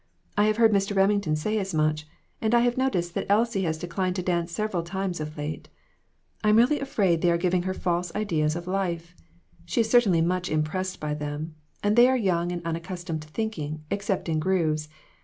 I have heard Mr. Remington say as much ; and I have noticed that Elsie has declined to dance several times of late. I am really afraid they are giving her false ideas of life. She is certainly much impressed by them ; and they are young and unaccustomed to thinking, except in grooves.